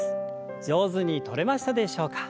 上手にとれましたでしょうか。